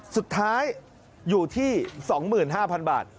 สุดท้ายอยู่ที่๒๕๐๐๐บาท